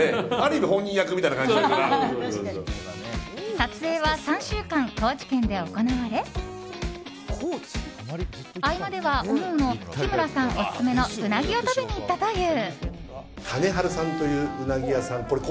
撮影は３週間、高知県で行われ合間では、おのおの日村さんオススメのウナギを食べに行ったという。